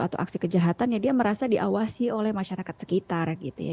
atau aksi kejahatan ya dia merasa diawasi oleh masyarakat sekitar gitu ya